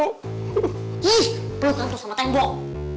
ih belum kantor sama tembok